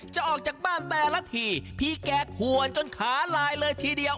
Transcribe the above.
ออกจากบ้านแต่ละทีพี่แกขวนจนขาลายเลยทีเดียว